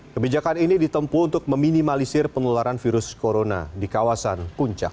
kebijakan ini ditempu untuk meminimalisir penularan virus corona di kawasan puncak